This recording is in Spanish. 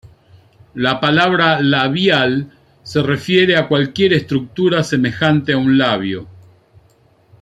La palabra "labial" se refiere a cualquier estructura semejante a un labio.